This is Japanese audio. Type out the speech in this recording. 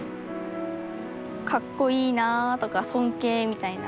かっこいいなとか尊敬みたいな。